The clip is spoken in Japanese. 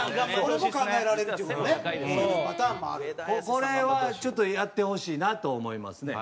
これはちょっとやってほしいなと思いますね。